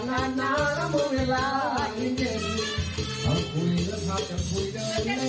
ได้เดี๋ยวเอาก็อีกสิขามา